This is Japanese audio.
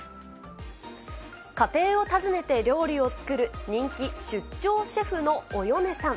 家庭を訪ねて料理を作る人気出張シェフのおよねさん。